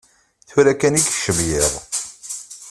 Tura kan i yekcem yiḍ.